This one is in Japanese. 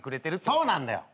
そうなんだよ。